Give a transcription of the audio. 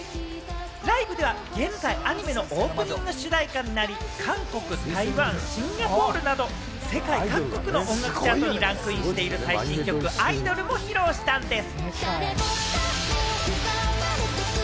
ライブでは現在、アニメのオープニング主題歌となり、韓国、台湾、シンガポールなど世界各国の音楽チャートにランクインしている最新曲『アイドル』も披露したんです。